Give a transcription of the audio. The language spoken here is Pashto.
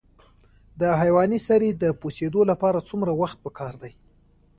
د حیواني سرې د پوسیدو لپاره څومره وخت پکار دی؟